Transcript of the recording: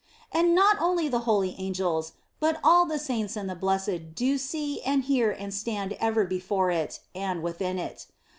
And not only the holy angels, but all the saints and the blessed do see and hear and stand ever before it, and within it.